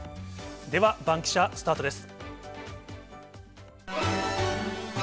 では、バンキシャ、スタートです。